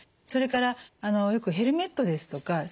それからよくヘルメットですとか